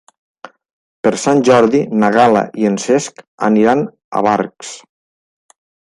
Per Sant Jordi na Gal·la i en Cesc aniran a Barx.